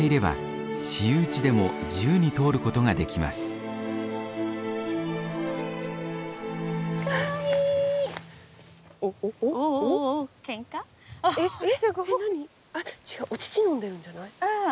あっ違うお乳飲んでるんじゃない？